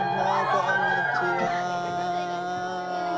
こんにちは。